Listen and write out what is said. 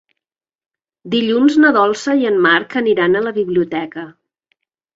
Dilluns na Dolça i en Marc aniran a la biblioteca.